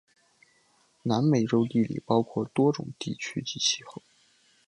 南美洲地理包括多种地区及气候。